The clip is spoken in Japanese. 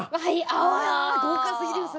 あ豪華すぎですね。